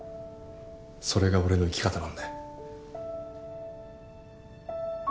それが俺の生き方なので。